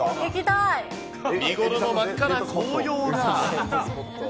見頃の真っ赤な紅葉が。